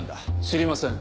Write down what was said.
知りません。